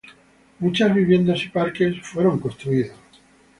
Muchas viviendas y parques fueron construidos.